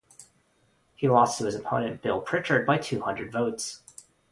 He lost to his opponent, Bill Pritchard, by two hundred votes.